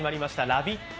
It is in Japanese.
ラヴィット！